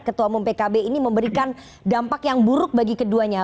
ketua umum pkb ini memberikan dampak yang buruk bagi keduanya